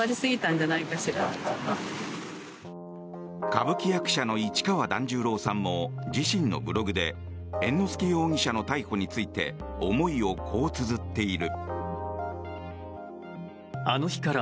歌舞伎役者の市川團十郎さんも自身のブログで猿之助容疑者の逮捕について思いを、こうつづっている。